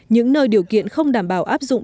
những nơi điều kiện không đảm bảo áp dụng